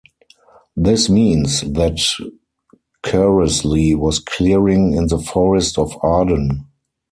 This means that Keresley was clearing in the Forest of Arden.